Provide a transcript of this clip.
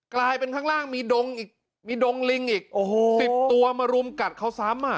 กลายเป็นข้างล่างมีดงอีกมีดงลิงอีก๑๐ตัวมารุมกัดเขาซ้ำ